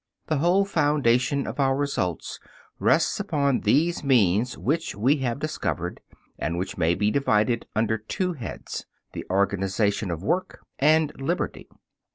The whole foundation of our results rests upon these means which we have discovered, and which may be divided under two heads the organization of work, and liberty.